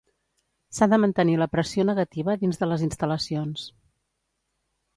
S’ha de mantenir la pressió negativa dins de les instal·lacions.